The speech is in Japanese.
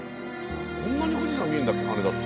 こんなに富士山見えるんだっけ羽田って。